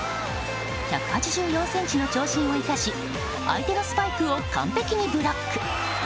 １８４ｃｍの長身を生かし相手のスパイクを完璧にブロック。